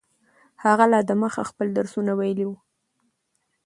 هغه لا دمخه خپل درسونه ویلي وو.